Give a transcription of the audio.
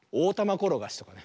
ころがしとかね。